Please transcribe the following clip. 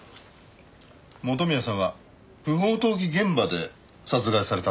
元宮さんは不法投棄現場で殺害されたんですよね？